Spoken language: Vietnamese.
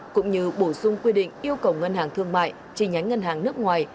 cũng như bổ sung quy định yêu cầu ngân hàng thương mại chi nhánh ngân hàng nước ngoài